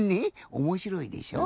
おもしろいでしょ？